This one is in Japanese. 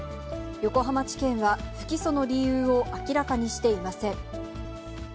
横浜地検は不起訴の理由を明らかにしていません。